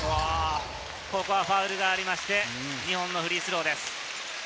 ここはファウルがありまして日本のフリースローです。